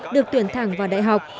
được tuyển thẳng vào đại học